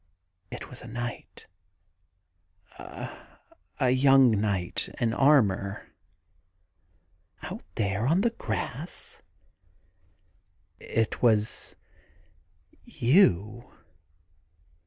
' It was a knight ... a young knight in armour.' * Out there on the grass ?' *It was you.